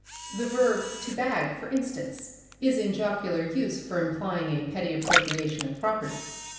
The verb "to bag," for instance, is in jocular use for implying a petty appropriation of property.